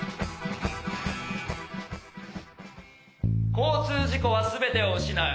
交通事故は全てを失う。